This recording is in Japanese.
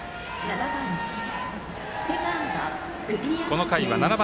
この回は７番